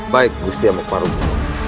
baik gustiamu parung